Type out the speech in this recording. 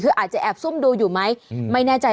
คืออาจจะแอบซุ่มดูอยู่ไหมไม่แน่ใจ